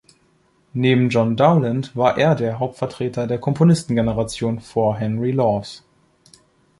Neben John Dowland war er der Hauptvertreter der Komponistengeneration vor Henry Lawes.